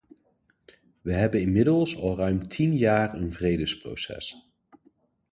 We hebben inmiddels al ruim tien jaar een vredeproces.